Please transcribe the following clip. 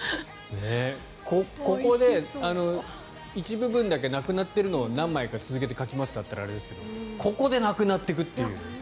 ここで一部分だけなくなっているのを何枚か続けて描きましたというのだとあれですけどここでなくなっていくという。